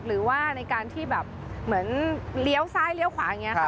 หรือว่าในการที่แบบเหมือนเลี้ยวซ้ายเลี้ยวขวาอย่างนี้ค่ะ